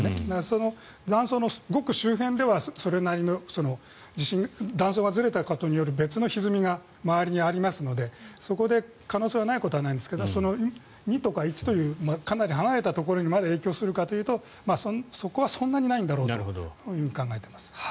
その断層のごく周辺ではそれなりの地震断層がずれたことによる別のひずみが周りにありますのでそこで可能性はないことはないですが２とか１というかなり離れたところにまで影響するかというとそこはそんなにないんだろうと考えています。